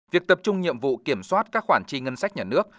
việc tập trung nhiệm vụ kiểm soát các khoản chi ngân sách nhà nước